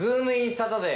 サタデー。